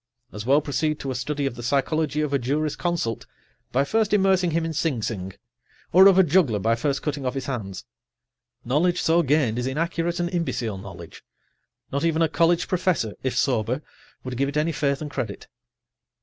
As well proceed to a study of the psychology of a juris [Pg 84]consult by first immersing him in Sing Sing, or of a juggler by first cutting off his hands. Knowledge so gained is inaccurate and imbecile knowledge. Not even a college professor, if sober, would give it any faith and credit.